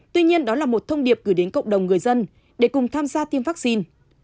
tuy nhiên đó là một thông điệp gửi đến cộng đồng người dân để cùng tham gia tiêm vaccine